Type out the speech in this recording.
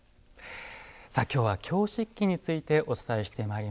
さあ今日は京漆器についてお伝えしてまいりました。